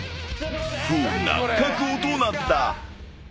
［不運な確保となった］